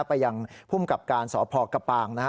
ไปยังพุ่มกับการสพกปางนะฮะ